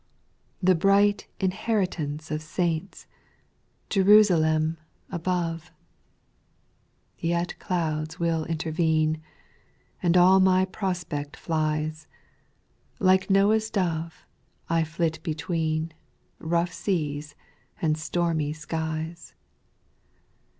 The bright inheritance of saints, Jerusalem above. SPIRITUAL SONGS. 81 6. Yet clouds will intervene, And all my prospect flies ; Like Noah's dove, I flit between Bough seas and stormy skies.